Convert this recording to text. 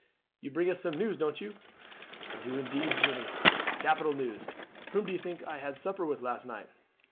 You bring us some news, don't you?" "I do indeed, Jeanne; capital news. Whom do you think I had supper with last night?"